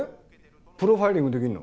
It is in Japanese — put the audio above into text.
プロファイリングできるの？